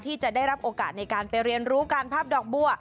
ที่จะได้รับโอกาสในการไปเรียนรู้การพับดอกบัว